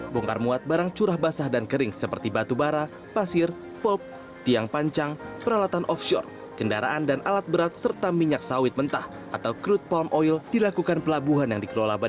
bongkar muat barang curah basah dan kering seperti batu bara pasir pop tiang pancang peralatan offshore kendaraan dan alat berat serta minyak sawit mentah atau crude palm oil dilakukan pelabuhan yang dikelola badan